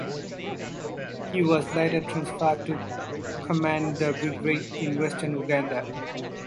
He was later transferred to command the Brigade in Western Uganda.